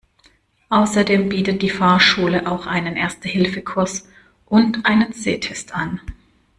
Außerdem bietet die Fahrschule auch einen Erste-Hilfe-Kurs und einen Sehtest an.